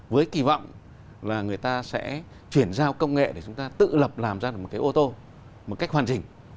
với kỳ vọng là người ta sẽ chuyển giao công nghệ để chúng ta tự lập làm ra được một cái ô tô một cách hoàn chỉnh